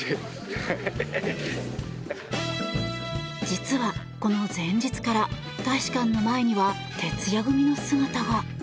実は、この前日から大使館の前には徹夜組の姿が。